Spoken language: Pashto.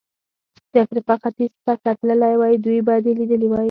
د افریقا ختیځ ته که تللی وای، دوی به دې لیدلي وای.